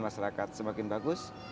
masyarakat semakin bagus